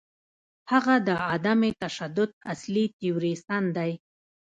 هغه د عدم تشدد اصلي تیوریسن دی.